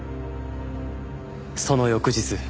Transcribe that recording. その翌日。